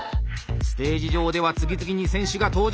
ステージ上では次々に選手が登場。